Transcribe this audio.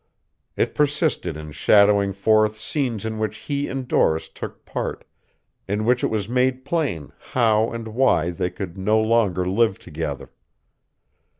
It persisted in shadowing forth scenes in which he and Doris took part, in which it was made plain how and why they could no longer live together.